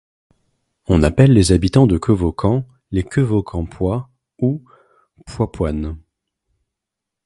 On appelle les habitants de Quevaucamps, les Quevaucampois ou Poipoines.